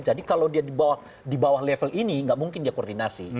jadi kalau dia di bawah level ini nggak mungkin dia koordinasi